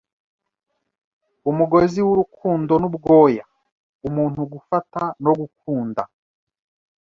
umugozi w'urukundo nubwoya. Umuntu gufata no gukunda,